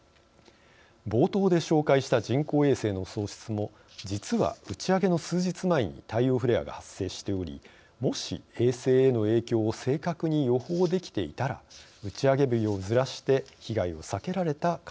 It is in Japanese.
冒頭で紹介した人工衛星の喪失も実は打ち上げの数日前に太陽フレアが発生しておりもし衛星への影響を正確に予報できていたら打ち上げ日をずらして被害を避けられた可能性もあります。